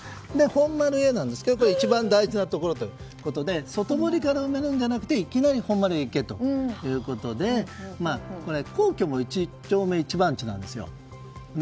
「本丸へ」は一番大事なところということで外堀から埋めるんではなくていきなり本丸へ行けということで皇居も１丁目１番地なんですよ。